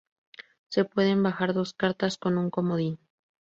Se pueden bajar dos cartas con un comodín.